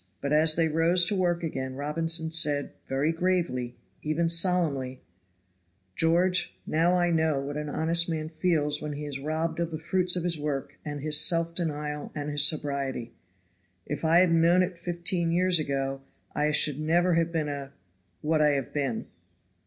But as they rose to work again, Robinson said, very gravely, even solemnly: "George, now I know what an honest man feels when he is robbed of the fruits of his work and his self denial and his sobriety. If I had known it fifteen years ago, I should never have been a what I have been."